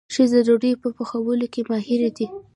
ښځې د ډوډۍ په پخولو کې ماهرې دي.